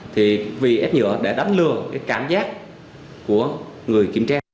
thì vì ép nhựa để đánh lừa cái cảm giác của người kiểm tra